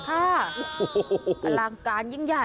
อลังการยิ่งใหญ่